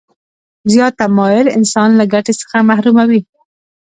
زیات تماعل انسان له ګټې څخه محروموي.